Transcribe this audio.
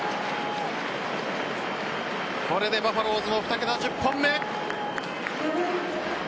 これでバファローズも２桁１０本目。